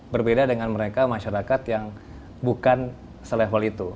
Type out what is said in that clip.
berbeda dengan mereka masyarakat yang bukan selevel itu